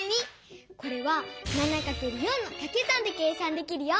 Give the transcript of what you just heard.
これは７×４のかけ算で計算できるよ！